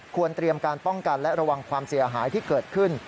ควรเตรียมการป้องกันและระวังความเสียหายที่เกิดขึ้น